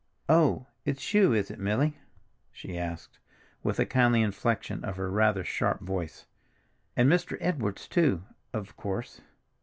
"Oh, it's you, is it, Milly?" she asked with a kindly inflection of her rather sharp voice. "And Mr. Edwards, too, of course.